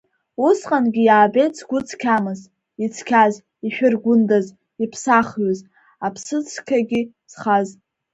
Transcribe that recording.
Усҟангьы иаабеит згәы цқьамыз, ицқьаз, ишәыргәындаз, иԥсахҩыз, аԥсыцқьагьы зхаз.